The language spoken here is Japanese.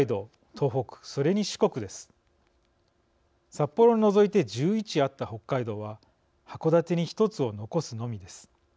札幌を除いて１１あった北海道は函館に１つを残すのみです。